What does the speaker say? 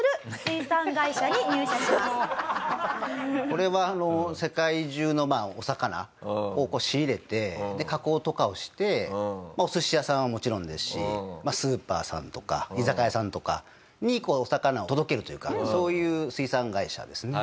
これはあの世界中のお魚を仕入れて加工とかをしてお寿司屋さんはもちろんですしスーパーさんとか居酒屋さんとかにお魚を届けるというかそういう水産会社ですね。